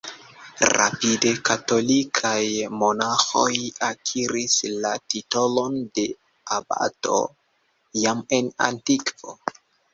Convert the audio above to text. Rapide, katolikaj monaĥoj akiris la titolon de "abato", jam en antikvo.